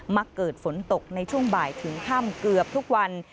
ักเกิดฝนตกในช่วงบ่ายถึงค่ำเกือบทุกวัน